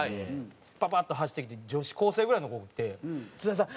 パパッと走ってきて女子高生ぐらいの子おって「津田さん